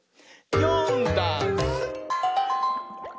「よんだんす」